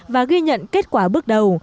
và ghi nhận kết quả bước đầu